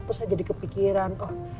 terus saya jadi kepikiran